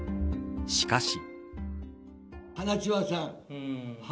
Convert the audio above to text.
しかし。